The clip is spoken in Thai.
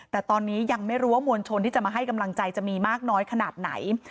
แต่ตอนนี้ยังไม่รู้ว่ามวลชนที่จะมาให้กำลังใจจะมีมากน้อยขนาดไหน